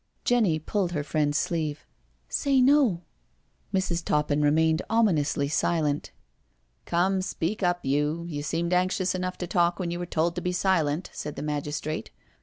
Jenny pulled her friend's sleeve. " Say no." Mrs. Toppin remained ominously silent. " Come, speak up — you, you seemed anxious enough to talk when you were told to be silent," said the magistrate.